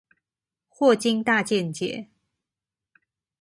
霍金大見解